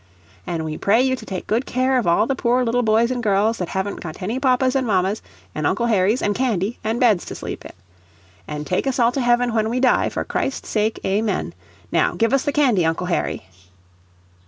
An' we pray you to take good care of all the poor little boys and girls that haven't got any papas an' mammas an' Uncle Harrys an' candy an' beds to sleep in. An' take us all to Heaven when we die, for Christ's sake. Amen. Now give us the candy, Uncle Harry."